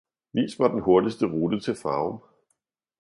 Vis mig den hurtigste rute til Farum